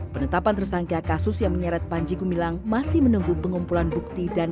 penetapan tersangka kasus yang menyeret panji gumilang masih menunggu pengumpulan bukti dan